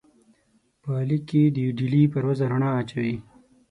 په لیک کې د ډهلي پر وضع رڼا اچوي.